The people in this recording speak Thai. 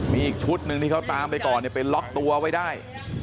มีอีกชุดหนึ่งที่เขาตามไปก่อนไปล็อกตัวไว้ได้